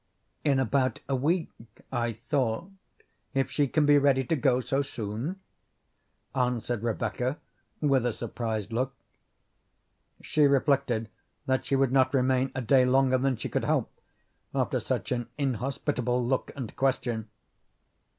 "In about a week, I thought, if she can be ready to go so soon," answered Rebecca with a surprised look. She reflected that she would not remain a day longer than she could help after such an inhospitable look and question.